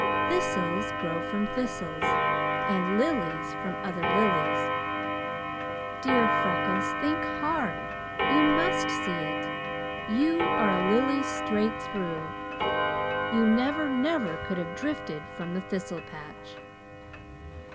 Thistles grow from thistles, and lilies from other lilies. Dear Freckles, think hard! You must see it! You are a lily, straight through. You never, never could have drifted from the thistle patch.